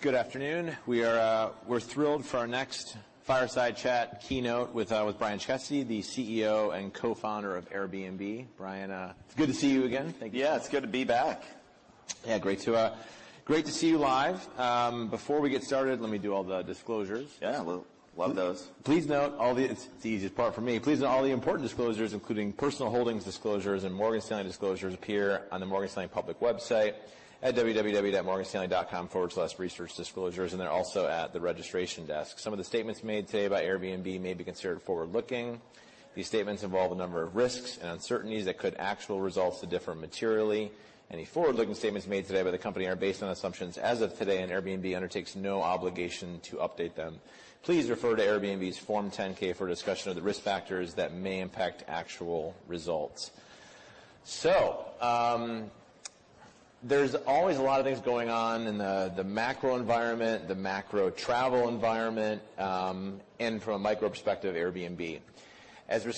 Good afternoon. We're thrilled for our next fireside chat keynote with Brian Chesky, the CEO and co-founder of Airbnb. Brian, it's good to see you again. Thank you. Yeah, it's good to be back. Yeah, great to, great to see you live. Before we get started, let me do all the disclosures. Yeah, love those. It's the easiest part for me. Please note all the important disclosures, including personal holdings disclosures and Morgan Stanley disclosures appear on the Morgan Stanley public website at www.morganstanley.com/researchdisclosures. They're also at the registration desk. Some of the statements made today by Airbnb may be considered forward-looking. These statements involve a number of risks and uncertainties that could actual results to differ materially. Any forward-looking statements made today by the company are based on assumptions as of today. Airbnb undertakes no obligation to update them. Please refer to Airbnb's Form 10-K for a discussion of the risk factors that may impact actual results. There's always a lot of things going on in the macro environment, the macro travel environment. From a micro perspective, Airbnb.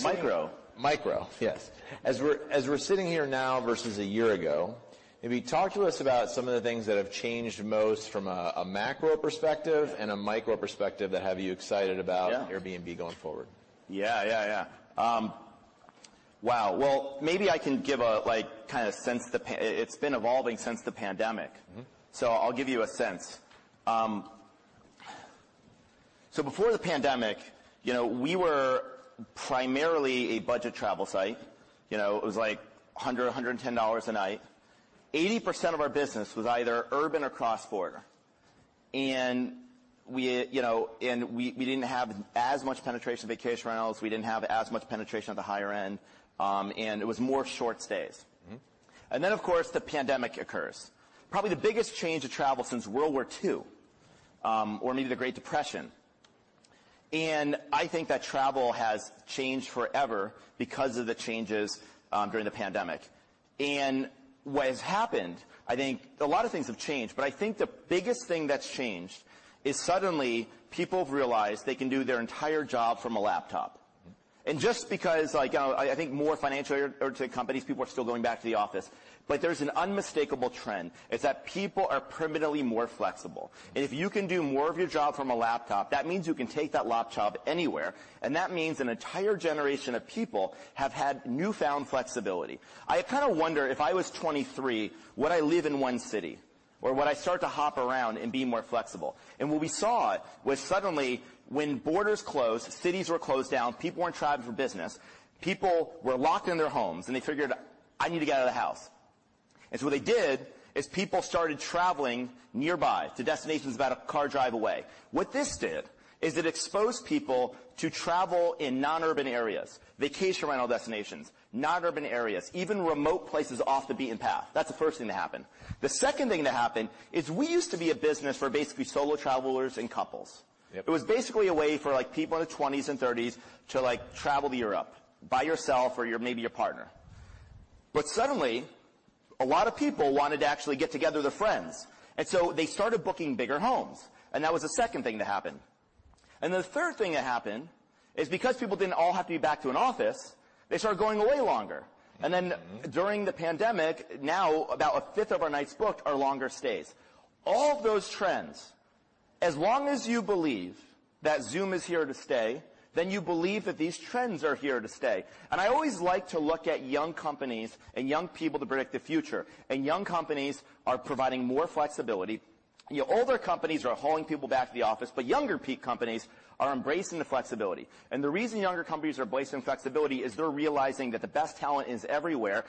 Micro. Micro, yes. As we're sitting here now versus a year ago, maybe talk to us about some of the things that have changed most from a macro perspective? Yeah. and a micro perspective that have you excited about Yeah. Airbnb going forward. Yeah, yeah. Wow. It's been evolving since the pandemic. Mm-hmm. I'll give you a sense. Before the pandemic, you know, we were primarily a budget travel site. You know, it was like $100-$110 a night. 80% of our business was either urban or cross-border, and we, you know, we didn't have as much penetration of vacation rentals, we didn't have as much penetration at the higher end, and it was more short stays. Mm-hmm. Of course, the pandemic occurs. Probably the biggest change to travel since World War II, or maybe the Great Depression, and I think that travel has changed forever because of the changes during the pandemic. What has happened, I think a lot of things have changed, but I think the biggest thing that's changed is suddenly people have realized they can do their entire job from a laptop. Mm-hmm. Just because, like, I think more financial or tech companies, people are still going back to the office, but there's an unmistakable trend is that people are permanently more flexible, and if you can do more of your job from a laptop, that means you can take that laptop anywhere, and that means an entire generation of people have had newfound flexibility. I kinda wonder, if I was 2023, would I live in one city or would I start to hop around and be more flexible? What we saw was suddenly when borders closed, cities were closed down, people weren't traveling for business, people were locked in their homes, and they figured, "I need to get out of the house." What they did is people started traveling nearby to destinations about a car drive away. What this did is it exposed people to travel in non-urban areas, vacation rental destinations, non-urban areas, even remote places off the beaten path. That's the first thing that happened. The second thing that happened is we used to be a business for basically solo travelers and couples. Yep. It was basically a way for, like, people in their 20s and 30s to, like, travel to Europe by yourself or your, maybe your partner. Suddenly, a lot of people wanted to actually get together with their friends. So they started booking bigger homes, and that was the second thing to happen. The third thing that happened is because people didn't all have to be back to an office, they started going away longer. Mm-hmm. During the pandemic, now about a fifth of our nights booked are longer stays. All of those trends, as long as you believe that Zoom is here to stay, then you believe that these trends are here to stay. I always like to look at young companies and young people to predict the future, and young companies are providing more flexibility. You know older companies are hauling people back to the office, but younger peak companies are embracing the flexibility. The reason younger companies are embracing flexibility is they're realizing that the best talent is everywhere.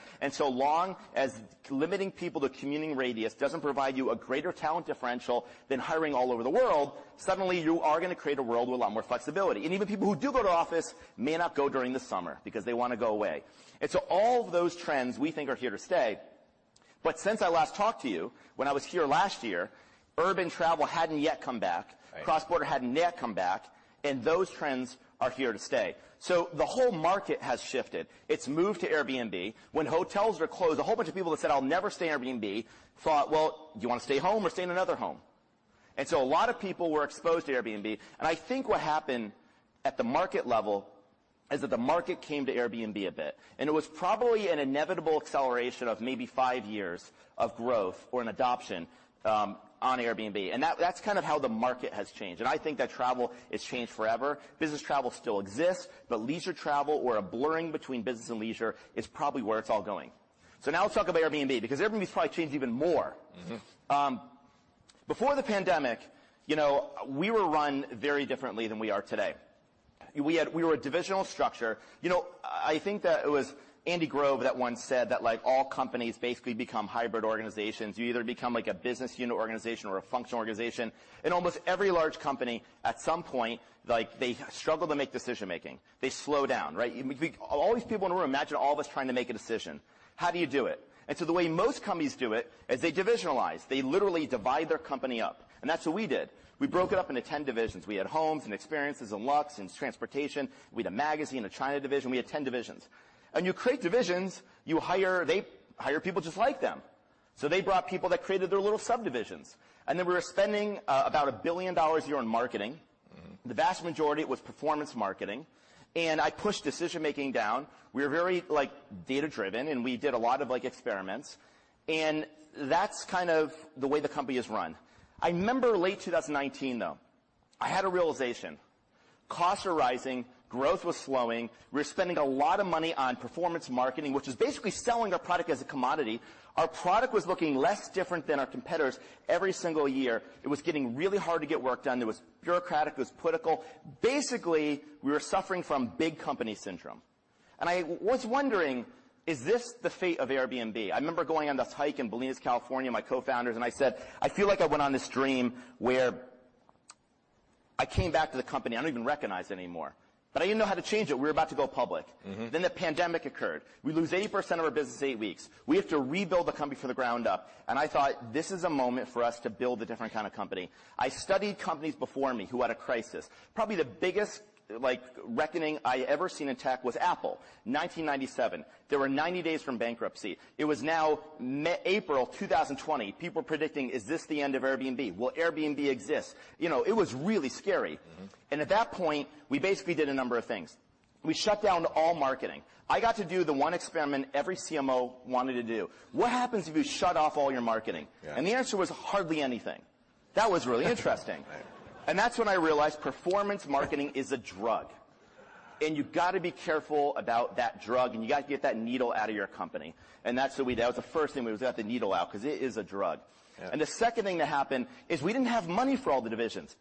Long as limiting people to commuting radius doesn't provide you a greater talent differential than hiring all over the world, suddenly you are gonna create a world with a lot more flexibility. Even people who do go to office may not go during the summer because they wanna go away. All of those trends we think are here to stay. Since I last talked to you when I was here last year, urban travel hadn't yet come back. Right. Cross-border hadn't yet come back. Those trends are here to stay. The whole market has shifted. It's moved to Airbnb. When hotels were closed, a whole bunch of people that said, "I'll never stay in Airbnb," thought, "Well, do you wanna stay home or stay in another home?" A lot of people were exposed to Airbnb, and I think what happened at the market level is that the market came to Airbnb a bit, and it was probably an inevitable acceleration of maybe five years of growth or an adoption on Airbnb. That's kind of how the market has changed, and I think that travel is changed forever. Business travel still exists, but leisure travel or a blurring between business and leisure is probably where it's all going. Now let's talk about Airbnb, because Airbnb's probably changed even more. Mm-hmm. Before the pandemic, you know, we were run very differently than we are today. We were a divisional structure. You know, I think that it was Andy Grove that once said that, like, all companies basically become hybrid organizations. You either become, like, a business unit organization or a functional organization. In almost every large company, at some point, like, they struggle to make decision-making. They slow down, right? All these people in a room, imagine all of us trying to make a decision. How do you do it? The way most companies do it is they divisionalize. They literally divide their company up, and that's what we did. We broke it up into 10 divisions. We had homes and experiences and Luxe and transportation. We had a magazine, a China division. We had 10 divisions. You create divisions, you hire... They hire people just like them. They brought people that created their little subdivisions. We were spending about $1 billion a year on marketing. The vast majority was performance marketing, and I pushed decision-making down. We were very, like, data-driven, and we did a lot of, like, experiments, and that's kind of the way the company is run. I remember late 2019, though, I had a realization. Costs are rising, growth was slowing. We were spending a lot of money on performance marketing, which is basically selling our product as a commodity. Our product was looking less different than our competitors every single year. It was getting really hard to get work done. It was bureaucratic. It was political. Basically, we were suffering from big company syndrome. I was wondering, Is this the fate of Airbnb? I remember going on this hike in Bolinas, California, my co-founders, and I said, "I feel like I went on this dream where I came back to the company, I don't even recognize it anymore." I didn't know how to change it. We were about to go public. Mm-hmm. The pandemic occurred. We lose 80% of our business, eight weeks. We have to rebuild the company from the ground up. I thought, "This is a moment for us to build a different kind of company." I studied companies before me who had a crisis. Probably the biggest, like, reckoning I ever seen in tech was Apple. 1997, they were 90 days from bankruptcy. It was now April 2020. People were predicting, "Is this the end of Airbnb? Will Airbnb exist?" You know, it was really scary. Mm-hmm. At that point, we basically did a number of things. We shut down all marketing. I got to do the one experiment every CMO wanted to do. What happens if you shut off all your marketing? Yeah. The answer was hardly anything. That was really interesting. Right. That's when I realized performance marketing is a drug, and you've got to be careful about that drug, and you gotta get that needle out of your company. That's what That was the first thing, we got the needle out, 'cause it is a drug. Yeah. The second thing that happened is we didn't have money for all the divisions,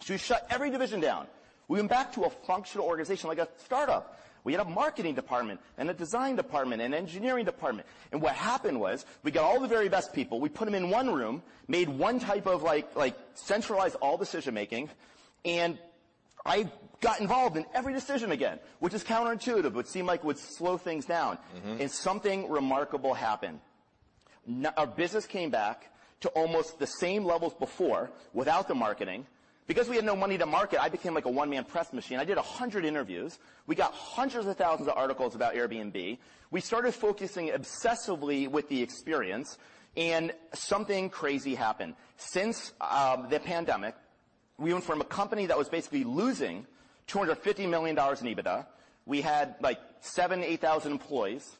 so we shut every division down. We went back to a functional organization like a startup. We had a marketing department and a design department and engineering department. What happened was we got all the very best people, we put them in one room, made one type of like, centralized all decision-making, and I got involved in every decision again, which is counterintuitive. It would seem like it would slow things down. Mm-hmm. Something remarkable happened. Our business came back to almost the same levels before, without the marketing. We had no money to market, I became like a one-man press machine. I did 100 interviews. We got hundreds of thousands of articles about Airbnb. We started focusing obsessively with the experience, something crazy happened. Since the pandemic, we went from a company that was basically losing $250 million in EBITDA. We had, like, 7,000-8,000 employees,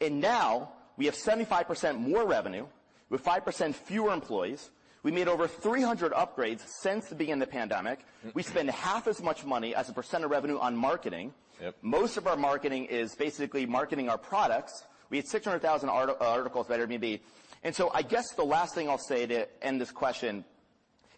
now we have 75% more revenue with 5% fewer employees. We made over 300 upgrades since the beginning of the pandemic. Mm-hmm. We spend half as much money as a % of revenue on marketing. Yep. Most of our marketing is basically marketing our products. We had 600,000 articles about Airbnb. I guess the last thing I'll say to end this question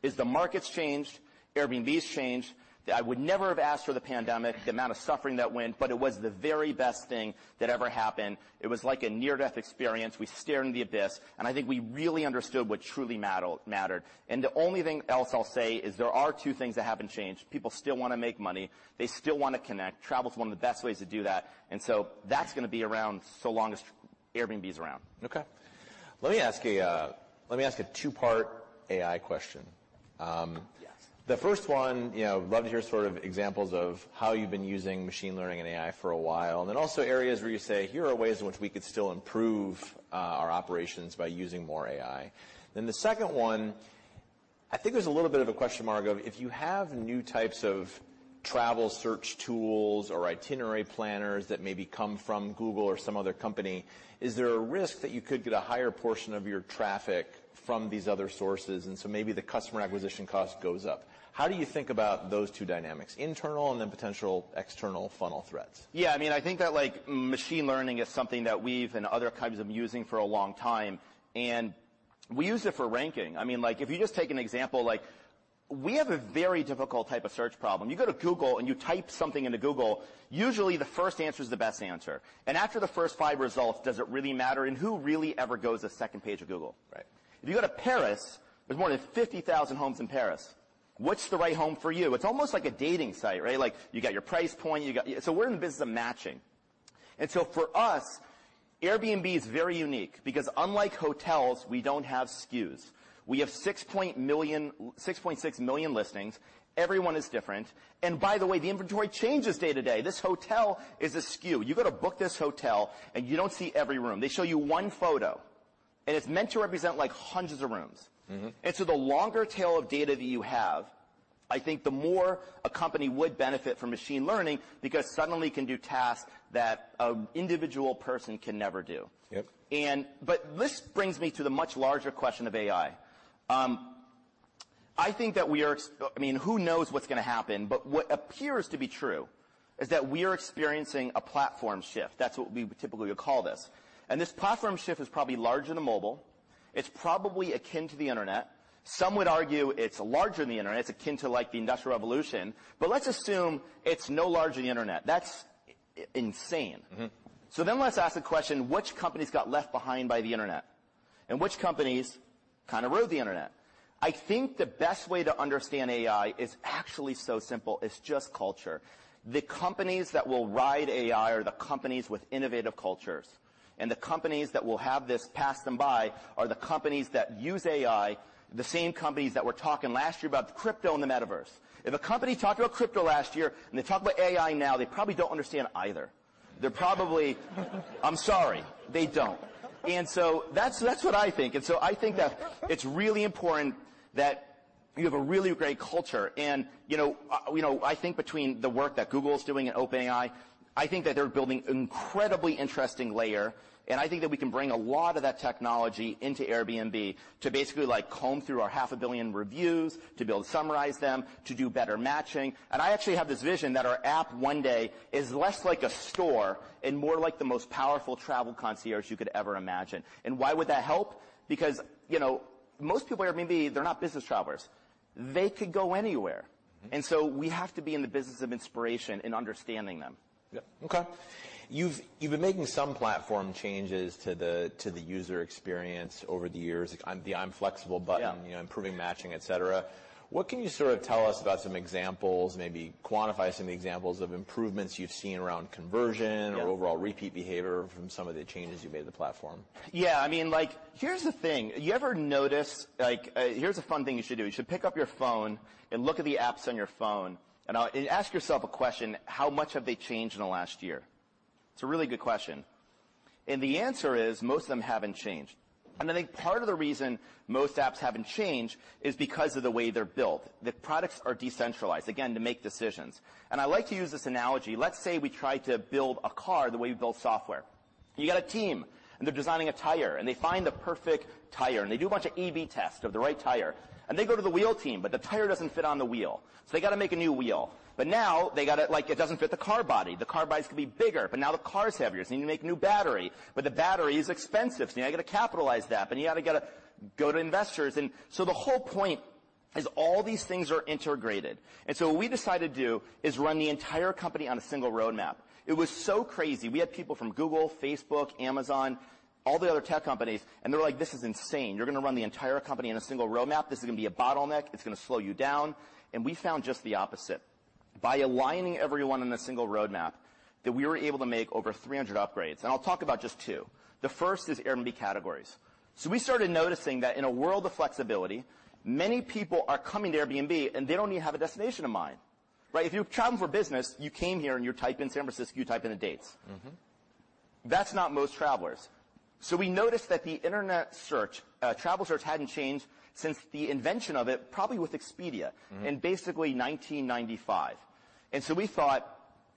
is the market's changed, Airbnb's changed. I would never have asked for the pandemic, the amount of suffering that went, but it was the very best thing that ever happened. It was like a near-death experience. We stared in the abyss, and I think we really understood what truly mattered. The only thing else I'll say is there are two things that haven't changed. People still wanna make money. They still wanna connect. Travel is one of the best ways to do that. That's gonna be around so long as Airbnb's around. Okay. Let me ask a 2-part AI question. Yes. The first one, you know, love to hear sort of examples of how you've been using machine learning and AI for a while, and also areas where you say, "Here are ways in which we could still improve, our operations by using more AI." The second one, I think there's a little bit of a question mark of if you have new types of travel search tools or itinerary planners that maybe come from Google or some other company, is there a risk that you could get a higher portion of your traffic from these other sources, and so maybe the customer acquisition cost goes up? How do you think about those two dynamics, internal and potential external funnel threats? Yeah, I mean, I think that, like, machine learning is something that we've and other companies have been using for a long time, and we use it for ranking. I mean, like, if you just take an example, like we have a very difficult type of search problem. You go to Google, and you type something into Google, usually the first answer is the best answer. After the first five results, does it really matter? Who really ever goes to the second page of Google? Right. If you go to Paris, there's more than 50,000 homes in Paris. What's the right home for you? It's almost like a dating site, right? Like, you got your price point. We're in the business of matching. For us, Airbnb is very unique because unlike hotels, we don't have SKUs. We have 6.6 million listings. Every one is different. By the way, the inventory changes day to day. This hotel is a SKU. You go to book this hotel, and you don't see every room. They show you one photo, and it's meant to represent, like, hundreds of rooms. Mm-hmm. The longer tail of data that you have, I think the more a company would benefit from machine learning because suddenly it can do tasks that an individual person can never do. Yep. This brings me to the much larger question of AI. I think that we are, I mean, who knows what's gonna happen, but what appears to be true is we are experiencing a platform shift. That's what we typically would call this. This platform shift is probably larger than mobile. It's probably akin to the internet. Some would argue it's larger than the internet. It's akin to, like, the Industrial Revolution. Let's assume it's no larger than the internet. That's insane. Mm-hmm. Let's ask the question, which companies got left behind by the internet, and which companies kind of rode the internet? I think the best way to understand AI is actually so simple. It's just culture. The companies that will ride AI are the companies with innovative cultures, and the companies that will have this pass them by are the companies that use AI, the same companies that were talking last year about crypto and the metaverse. If a company talked about crypto last year and they talk about AI now, they probably don't understand either. They're probably I'm sorry, they don't. That's, that's what I think. I think that it's really important that you have a really great culture. You know, you know, I think between the work that Google is doing and OpenAI, I think that they're building incredibly interesting layer, and I think that we can bring a lot of that technology into Airbnb to basically, like, comb through our half a billion reviews, to be able to summarize them, to do better matching. I actually have this vision that our app one day is less like a store and more like the most powerful travel concierge you could ever imagine. Why would that help? Because, you know, most people at Airbnb, they're not business travelers. They could go anywhere. Mm-hmm. We have to be in the business of inspiration and understanding them. Yeah. Okay. You've been making some platform changes to the user experience over the years, the I'm flexible button- Yeah... you know, improving matching, et cetera. What can you sort of tell us about some examples, maybe quantify some examples of improvements you've seen around conversion-? Yeah... or overall repeat behavior from some of the changes you've made to the platform? Yeah, I mean, like, here's the thing. Like, here's a fun thing you should do. You should pick up your phone and look at the apps on your phone, and ask yourself a question, how much have they changed in the last year? It's a really good question. The answer is, most of them haven't changed. I think part of the reason most apps haven't changed is because of the way they're built, that products are decentralized, again, to make decisions. I like to use this analogy. Let's say we try to build a car the way we build software. You got a team, and they're designing a tire, and they find the perfect tire, and they do a bunch of A/B tests of the right tire. They go to the wheel team, but the tire doesn't fit on the wheel, so they gotta make a new wheel. Now they gotta like, it doesn't fit the car body. The car body's gonna be bigger, but now the car's heavier, so you need to make a new battery. The battery is expensive, so now you gotta capitalize that, but you gotta go to investors. The whole point is all these things are integrated. What we decided to do is run the entire company on a single roadmap. It was so crazy. We had people from Google, Facebook, Amazon, all the other tech companies, and they're like, "This is insane. You're gonna run the entire company on a single roadmap? This is gonna be a bottleneck. It's gonna slow you down." We found just the opposite. By aligning everyone on a single roadmap that we were able to make over 300 upgrades, and I'll talk about just two. The first is Airbnb Categories. We started noticing that in a world of flexibility, many people are coming to Airbnb, and they don't even have a destination in mind, right? If you're traveling for business, you came here, and you type in San Francisco, you type in the dates. Mm-hmm. That's not most travelers. We noticed that the internet search, travel search hadn't changed since the invention of it, probably with Expedia- Mm-hmm... in basically 1995. We thought,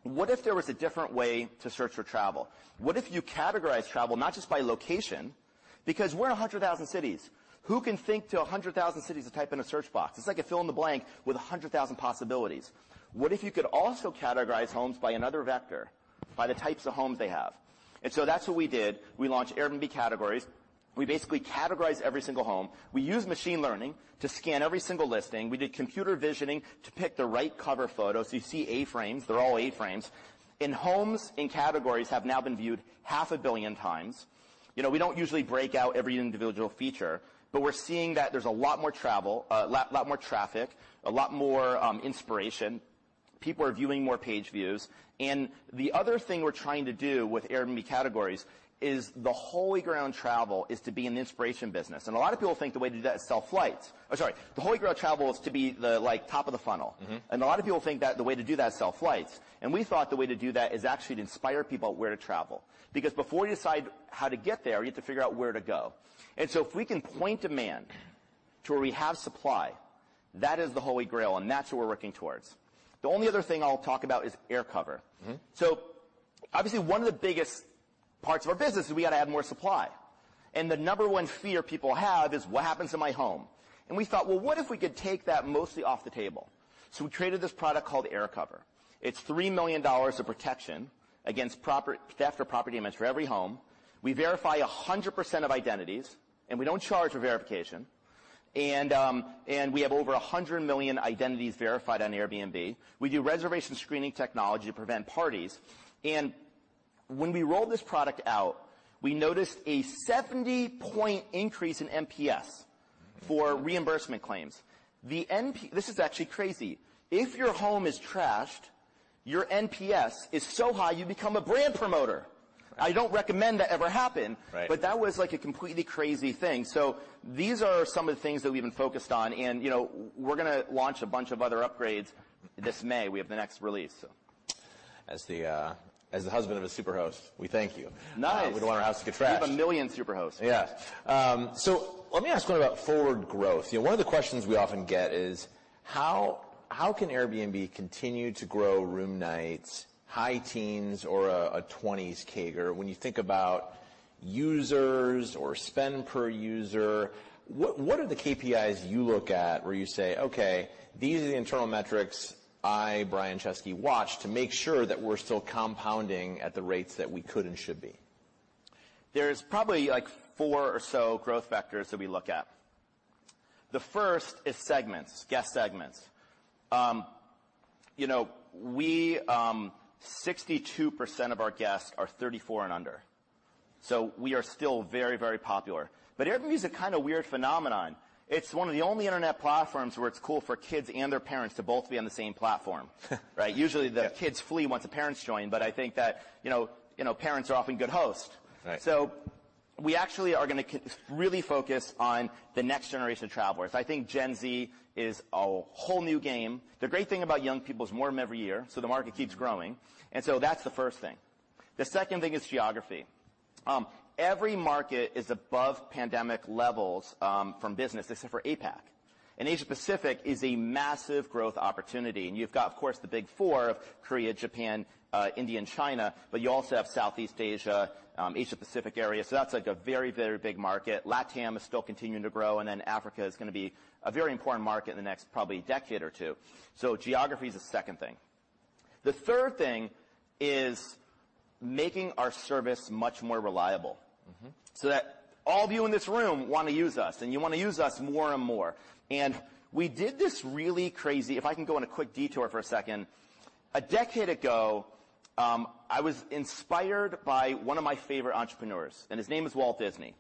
"What if there was a different way to search for travel? What if you categorize travel not just by location?" Because we're 100,000 cities. Who can think to 100,000 cities to type in a search box? It's like a fill-in-the-blank with 100,000 possibilities. What if you could also categorize homes by another vector, by the types of homes they have? That's what we did. We launched Airbnb Categories. We basically categorized every single home. We used machine learning to scan every single listing. We did computer visioning to pick the right cover photo, so you see A-frames, they're all A-frames. Homes in Categories have now been viewed 0.5 billion times. You know, we don't usually break out every individual feature, but we're seeing that there's a lot more travel, a lot more traffic, a lot more inspiration. People are viewing more page views. The other thing we're trying to do with Airbnb Categories is the holy grail in travel is to be an inspiration business. A lot of people think the way to do that is to sell flights. Sorry, the holy grail of travel is to be the, like, top of the funnel. Mm-hmm. A lot of people think that the way to do that is to sell flights. We thought the way to do that is actually to inspire people where to travel. Because before you decide how to get there, you have to figure out where to go. If we can point demand to where we have supply, that is the holy grail, and that's what we're working towards. The only other thing I'll talk about is AirCover. Mm-hmm. Obviously, one of the biggest parts of our business is we gotta add more supply. The number one fear people have is, "What happens to my home?" We thought, "Well, what if we could take that mostly off the table?" We created this product called AirCover. It's $3 million of protection against theft or property damage for every home. We verify 100% of identities, and we don't charge for verification. We have over 100 million identities verified on Airbnb. We do reservation screening technology to prevent parties. When we rolled this product out, we noticed a 70-point increase in NPS for reimbursement claims. This is actually crazy. If your home is trashed, your NPS is so high you become a brand promoter. I don't recommend that ever happen. Right. That was, like, a completely crazy thing. These are some of the things that we've been focused on. You know, we're gonna launch a bunch of other upgrades this May. We have the next release. As the husband of a Superhost, we thank you. Nice. We don't want our house to get trashed. We have 1 million Superhosts. Yeah. Let me ask one about forward growth. You know, one of the questions we often get is how can Airbnb continue to grow room nights, high teens or a 20s CAGR when you think about users or spend per user? What are the KPIs you look at where you say, "Okay, these are the internal metrics I, Brian Chesky, watch to make sure that we're still compounding at the rates that we could and should be? There's probably, like, four or so growth vectors that we look at. The first is segments, guest segments. you know, we, 62% of our guests are 34 and under. We are still very, very popular. Airbnb's a kinda weird phenomenon. It's one of the only internet platforms where it's cool for kids and their parents to both be on the same platform. Right? Usually the kids flee once the parents join, but I think that, you know, you know, parents are often good hosts. Right. We actually are gonna really focus on the next generation of travelers. I think Gen Z is a whole new game. The great thing about young people is more of them every year, so the market keeps growing. That's the first thing. The second thing is geography. Every market is above pandemic levels from business except for APAC. Asia-Pacific is a massive growth opportunity. You've got, of course, the big four of Korea, Japan, India, and China, but you also have Southeast Asia-Pacific area. That's like a very, very big market. LatAm is still continuing to grow, and then Africa is gonna be a very important market in the next probably decade or two. Geography is the second thing. The third thing is making our service much more reliable. Mm-hmm. That all of you in this room wanna use us, and you wanna use us more and more. We did this really crazy. If I can go on a quick detour for a second. A decade ago, I was inspired by one of my favorite entrepreneurs, and his name is Walt Disney.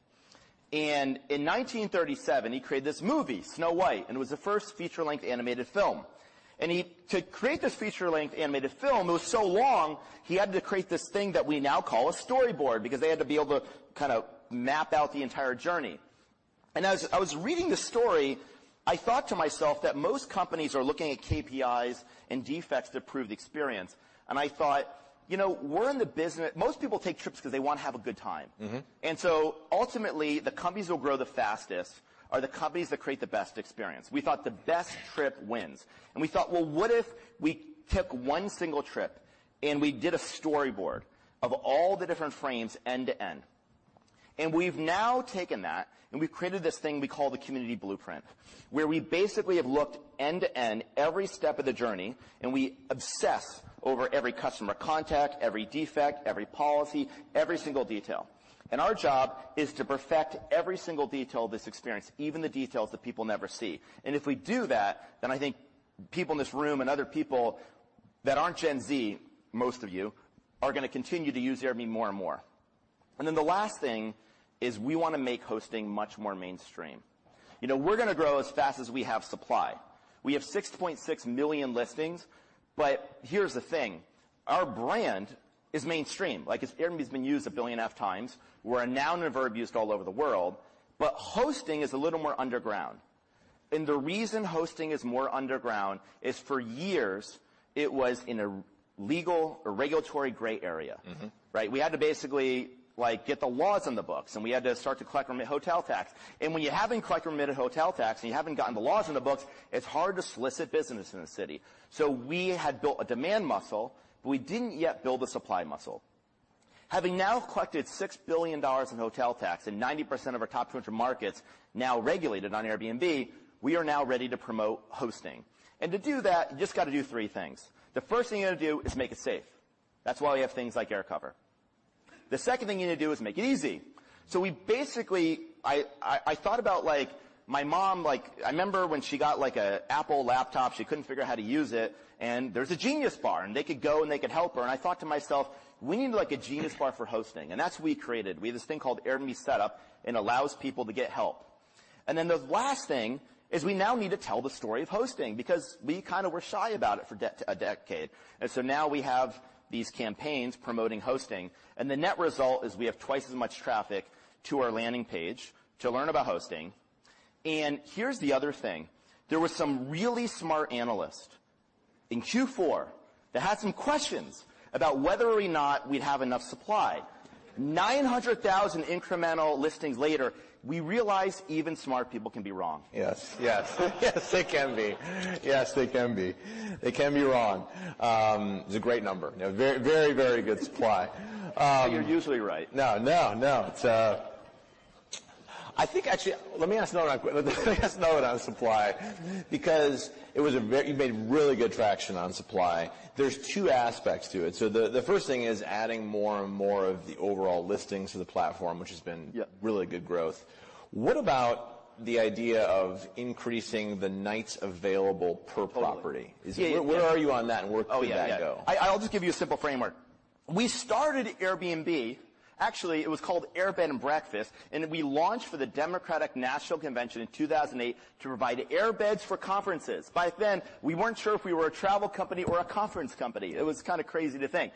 In 1937, he created this movie, Snow White, and it was the first feature-length animated film. To create this feature-length animated film, it was so long he had to create this thing that we now call a storyboard because they had to be able to kinda map out the entire journey. As I was reading the story, I thought to myself that most companies are looking at KPIs and defects to improve the experience. I thought, "You know, Most people take trips 'cause they wanna have a good time. Mm-hmm. Ultimately, the companies that will grow the fastest are the companies that create the best experience. We thought the best trip wins. We thought, "Well, what if we took one single trip, and we did a storyboard of all the different frames end to end?" We've now taken that, and we've created this thing we call the Community Blueprint, where we basically have looked end to end every step of the journey, and we obsess over every customer contact, every defect, every policy, every single detail. Our job is to perfect every single detail of this experience, even the details that people never see. If we do that, then I think people in this room and other people that aren't Gen Z, most of you, are gonna continue to use Airbnb more and more. The last thing is we wanna make hosting much more mainstream. You know, we're gonna grow as fast as we have supply. We have 6.6 million listings. Here's the thing: our brand is mainstream. Like, Airbnb's been used 1.5 billion times. We're a noun and a verb used all over the world. Hosting is a little more underground. The reason hosting is more underground is for years it was in a legal or regulatory gray area. Mm-hmm. Right? We had to basically, like, get the laws on the books, we had to start to collect room and hotel tax. When you haven't collected room and hotel tax, and you haven't gotten the laws on the books, it's hard to solicit business in the city. We had built a demand muscle, but we didn't yet build a supply muscle. Having now collected $6 billion in hotel tax and 90% of our top 200 markets now regulated on Airbnb, we are now ready to promote hosting. To do that, you just gotta do three things. The first thing you gotta do is make it safe. That's why we have things like AirCover. The second thing you need to do is make it easy. I thought about, like, my mom, like, I remember when she got, like, a Apple laptop, she couldn't figure out how to use it, and there's a Genius Bar, and they could go, and they could help her. I thought to myself, "We need, like, a Genius Bar for hosting." That's what we created. We have this thing called Airbnb Setup. It allows people to get help. Then the last thing is we now need to tell the story of hosting because we kinda were shy about it for a decade. Now we have these campaigns promoting hosting, and the net result is we have twice as much traffic to our landing page to learn about hosting. Here's the other thing. There was some really smart analyst in Q4 that had some questions about whether or not we'd have enough supply. 900,000 incremental listings later, we realized even smart people can be wrong. Yes, yes. Yes, they can be. Yes, they can be. They can be wrong. It's a great number. You know, very, very good supply. You're usually right. No, no. It's. I think actually. You made really good traction on supply. There's two aspects to it. The first thing is adding more and more of the overall listings to the platform, which has been. Yeah... really good growth. What about the idea of increasing the nights available per property? Totally. Yeah, yeah. Where are you on that, and where could that go? Oh, yeah. I'll just give you a simple framework. We started Airbnb. Actually, it was called AirBed & Breakfast, we launched for the Democratic National Convention in 2008 to provide airbeds for conferences. By then, we weren't sure if we were a travel company or a conference company. It was kind of crazy to think.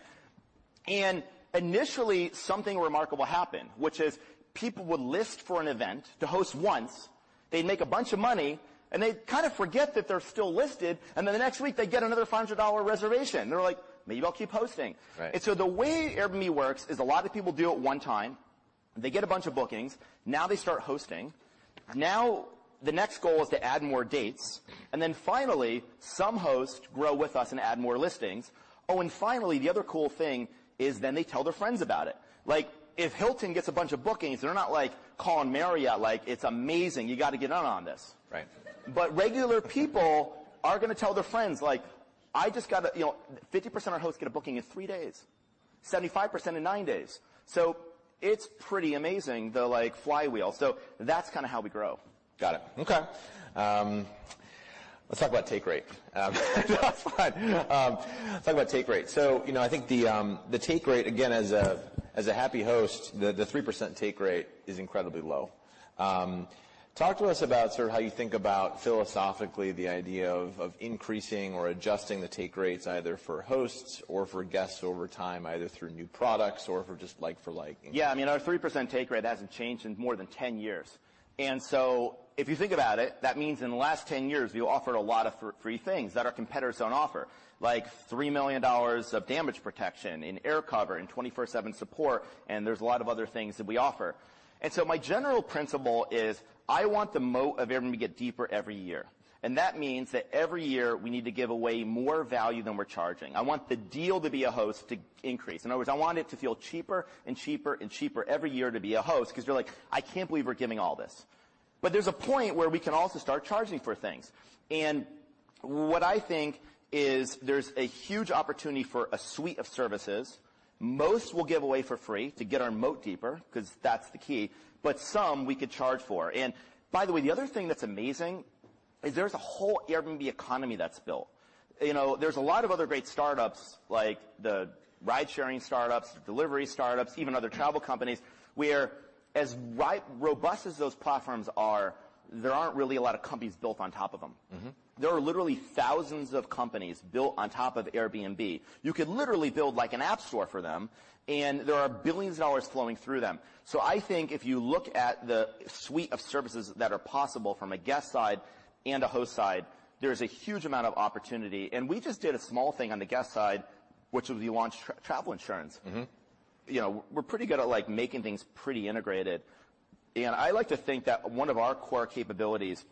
Initially, something remarkable happened, which is people would list for an event to host once, they'd make a bunch of money, they'd kind of forget that they're still listed, then the next week they'd get another $500 reservation. They were like, "Maybe I'll keep hosting. Right. The way Airbnb works is a lot of people do it one time. They get a bunch of bookings. Now they start hosting. Now the next goal is to add more dates. Finally, some hosts grow with us and add more listings. Finally, the other cool thing is then they tell their friends about it. Like, if Hilton gets a bunch of bookings, they're not, like, calling Marriott like, "It's amazing. You gotta get in on this. Right. Regular people are gonna tell their friends, like, "I just got a..." You know, 50% of hosts get a booking in three days, 75% in nine days. It's pretty amazing, the, like, flywheel. That's kinda how we grow. Got it. Okay. Let's talk about take rate. Fine. Let's talk about take rate. You know, I think the take rate, again, as a happy host, the 3% take rate is incredibly low. Talk to us about sort of how you think about philosophically the idea of increasing or adjusting the take rates, either for hosts or for guests over time, either through new products or for just like for like. Yeah, I mean, our 3% take rate hasn't changed in more than 10 years. If you think about it, that means in the last 10 years, we offered a lot of free things that our competitors don't offer, like $3 million of damage protection and AirCover and 24/7 support, and there's a lot of other things that we offer. My general principle is I want the moat of Airbnb to get deeper every year, and that means that every year we need to give away more value than we're charging. I want the deal to be a host to increase. In other words, I want it to feel cheaper and cheaper and cheaper every year to be a host 'cause you're like, "I can't believe we're giving all this." There's a point where we can also start charging for things. What I think is there's a huge opportunity for a suite of services. Most we'll give away for free to get our moat deeper, 'cause that's the key, but some we could charge for. By the way, the other thing that's amazing is there's a whole Airbnb economy that's built. You know, there's a lot of other great startups like the ride sharing startups, delivery startups, even other travel companies, where as robust as those platforms are, there aren't really a lot of companies built on top of them. Mm-hmm. There are literally thousands of companies built on top of Airbnb. You could literally build like an app store for them, and there are billions of dollars flowing through them. I think if you look at the suite of services that are possible from a guest side and a host side, there's a huge amount of opportunity. We just did a small thing on the guest side, which was we launched travel insurance. Mm-hmm. You know, we're pretty good at, like, making things pretty integrated. I like to think that one of our core capabilities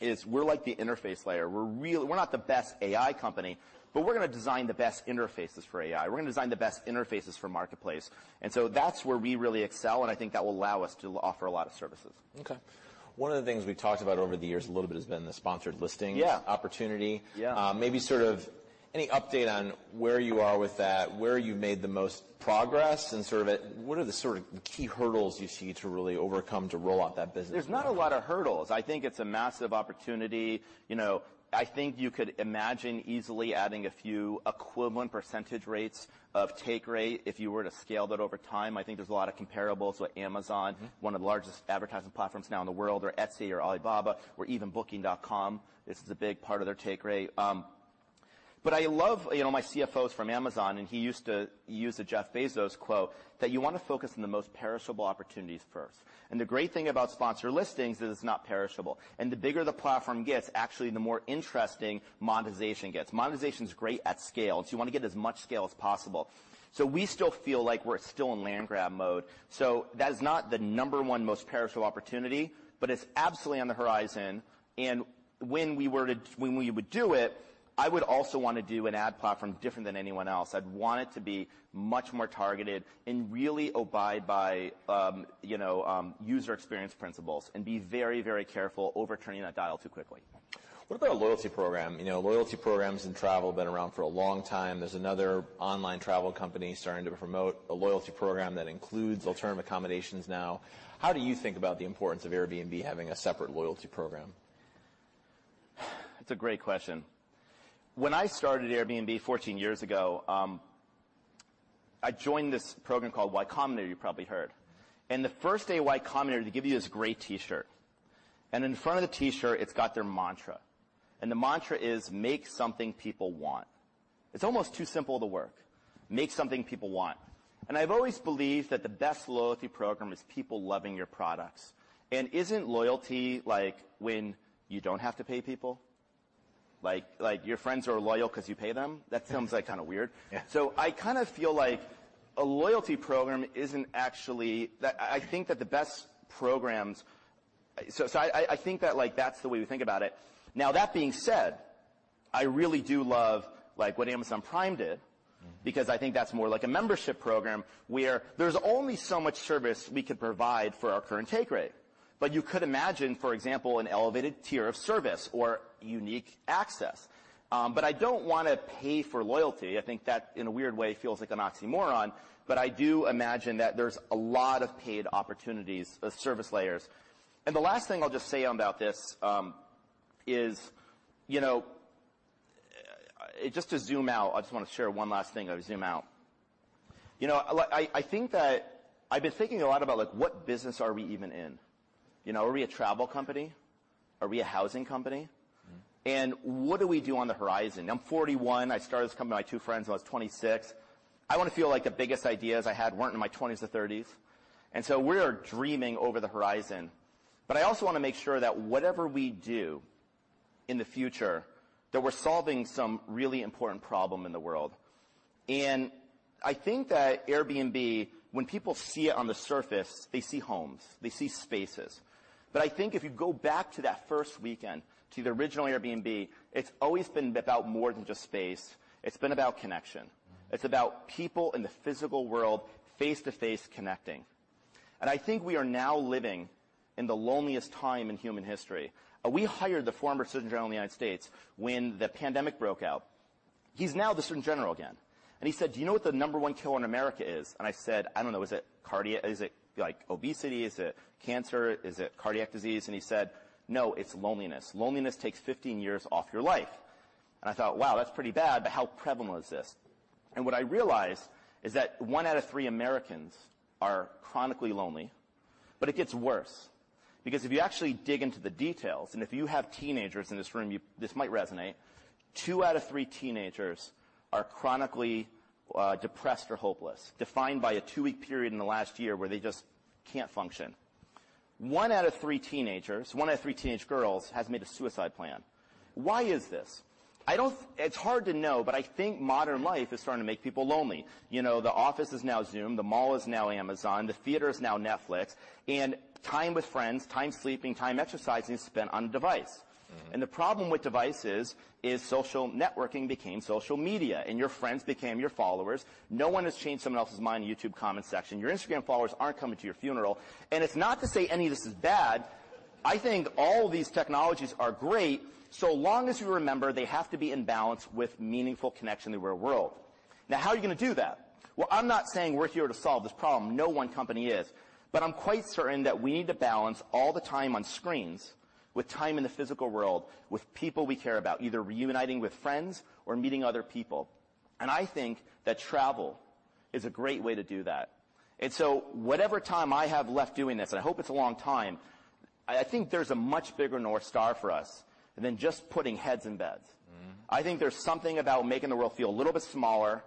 is we're like the interface layer. We're not the best AI company, but we're gonna design the best interfaces for AI. We're gonna design the best interfaces for marketplace. That's where we really excel, and I think that will allow us to offer a lot of services. Okay. One of the things we've talked about over the years a little bit has been the sponsored listings. Yeah. -opportunity. Yeah. Maybe sort of any update on where you are with that, where you've made the most progress and sort of at what are the sort of key hurdles you see to really overcome to roll out that business? There's not a lot of hurdles. I think it's a massive opportunity. You know, I think you could imagine easily adding a few equivalent percentage rates of take rate if you were to scale that over time. I think there's a lot of comparables with Amazon, one of the largest advertising platforms now in the world, or Etsy or Alibaba or even Booking.com. This is a big part of their take rate. You know, my CFO's from Amazon, and he used to use a Jeff Bezos quote that you wanna focus on the most perishable opportunities first. The great thing about sponsored listings is it's not perishable. The bigger the platform gets, actually, the more interesting monetization gets. Monetization's great at scale, and so you wanna get as much scale as possible. We still feel like we're still in land grab mode. That is not the number one most perishable opportunity, but it's absolutely on the horizon. When we would do it, I would also wanna do an ad platform different than anyone else. I'd want it to be much more targeted and really abide by, you know, user experience principles and be very, very careful overturning that dial too quickly. What about a loyalty program? You know, loyalty programs in travel have been around for a long time. There's another online travel company starting to promote a loyalty program that includes alternative accommodations now. How do you think about the importance of Airbnb having a separate loyalty program? That's a great question. When I started Airbnb 14 years ago, I joined this program called Y Combinator you probably heard. The first day of Y Combinator, they give you this gray T-shirt, in the front of the T-shirt, it's got their mantra, the mantra is, "Make something people want." It's almost too simple to work. Make something people want. Isn't loyalty like when you don't have to pay people? Like, your friends are loyal 'cause you pay them? That seems like kinda weird. Yeah. I think that's the way we think about it. That being said, I really do love what Amazon Prime did because I think that's more like a membership program where there's only so much service we could provide for our current take rate. You could imagine, for example, an elevated tier of service or unique access. I don't wanna pay for loyalty. I think that in a weird way feels like an oxymoron, but I do imagine that there's a lot of paid opportunities, service layers. The last thing I'll just say about this is, you know, just to zoom out, I just wanna share one last thing. I would zoom out. You know, like I think that I've been thinking a lot about, like, what business are we even in? You know, are we a travel company? Are we a housing company? Mm-hmm. What do we do on the horizon? I'm 41. I started this company with my two friends when I was 26. I wanna feel like the biggest ideas I had weren't in my twenties or thirties, we are dreaming over the horizon. I also wanna make sure that whatever we do in the future, that we're solving some really important problem in the world. I think that Airbnb, when people see it on the surface, they see homes, they see spaces. I think if you go back to that first weekend, to the original Airbnb, it's always been about more than just space. It's been about connection. Mm-hmm. It's about people in the physical world face-to-face connecting. I think we are now living in the loneliest time in human history. We hired the former Surgeon General of the United States when the pandemic broke out. He's now the Surgeon General again. He said, "Do you know what the number one killer in America is?" I said, "I don't know. Is it cardiac? Is it, like, obesity? Is it cancer? Is it cardiac disease?" He said, "No, it's loneliness. Loneliness takes 15 years off your life." I thought, "Wow, that's pretty bad, but how prevalent is this?" What I realized is that one out of three Americans are chronically lonely. It gets worse because if you actually dig into the details, and if you have teenagers in this room, this might resonate, two out of three teenagers are chronically depressed or hopeless, defined by a two-week period in the last year where they just can't function. One out of three teenagers, one out of three teenage girls has made a suicide plan. Why is this? It's hard to know, but I think modern life is starting to make people lonely. You know, the office is now Zoom, the mall is now Amazon, the theater is now Netflix, and time with friends, time sleeping, time exercising is spent on a device. Mm-hmm. The problem with devices is social networking became social media, and your friends became your followers. No one has changed someone else's mind in the YouTube comment section. Your Instagram followers aren't coming to your funeral. It's not to say any of this is bad. I think all these technologies are great, so long as you remember they have to be in balance with meaningful connection in the real world. How are you gonna do that? I'm not saying we're here to solve this problem. No one company is. I'm quite certain that we need to balance all the time on screens with time in the physical world with people we care about, either reuniting with friends or meeting other people. I think that travel is a great way to do that. Whatever time I have left doing this, and I hope it's a long time, I think there's a much bigger North Star for us than just putting heads in beds. Mm-hmm. I think there's something about making the world feel a little bit smaller,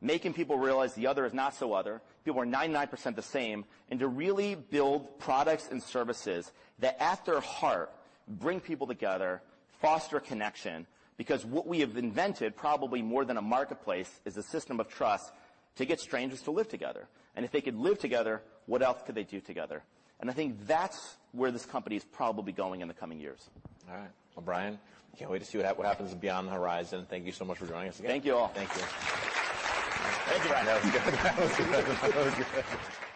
making people realize the other is not so other, people are 99% the same. To really build products and services that, at their heart, bring people together, foster connection. What we have invented, probably more than a marketplace, is a system of trust to get strangers to live together. If they could live together, what else could they do together? I think that's where this company is probably going in the coming years. All right. Well, Brian, can't wait to see what happens beyond the horizon. Thank you so much for joining us again. Thank you all. Thank you. Thank you, Brian. That was good. That was good.